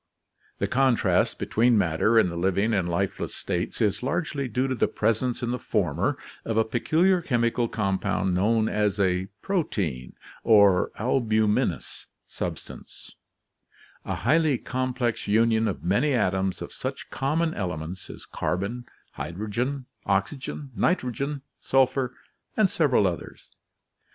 The contrast between matter in the living and lifeless states is largely due to the presence in the former of a peculiar chemical compound known as a protein or albuminous substance, a highly complex union of many atoms of such common elements as carbon, hydrogen, oxygen, nitrogen, sulphur, and several others.